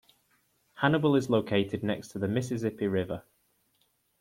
Hannibal is located next to the Mississippi River.